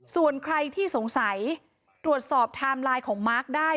ส่วนใครที่สงสัยตรวจสอบไทม์ไลน์ของมาร์คได้